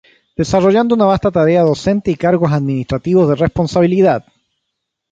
Desarrollando una vasta tarea docente y cargos administrativos de responsabilidad.